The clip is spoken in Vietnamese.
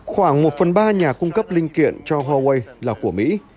khoảng một phần ba nhà cung cấp linh kiện cho huawei là của mỹ